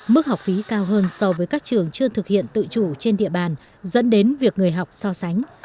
mức học phí cao hơn so với các trường chưa thực hiện tự chủ trên địa bàn dẫn đến việc người học so sánh